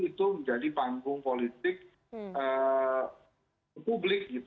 itu menjadi panggung politik publik